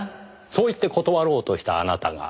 そう言って断ろうとしたあなたが。